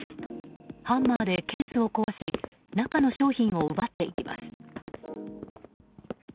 ハンマーでケースを壊し中の商品を奪っていきます。